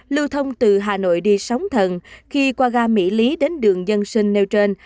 lưu thông từ hà nội đi sóng thần khi qua ga mỹ lý đến đường dân sinh nêu trên